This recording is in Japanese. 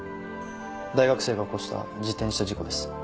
大学生が起こした自転車事故です。